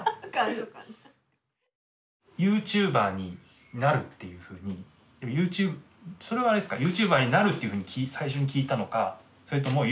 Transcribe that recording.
ユーチューバーになるっていうふうにでもそれはあれですかユーチューバーになるっていうふうに最初に聞いたのかそれともＹｏｕＴｕｂｅを。